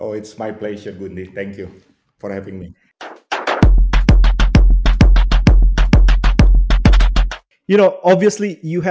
oh saya senang berada di sini gundi terima kasih telah mengundang saya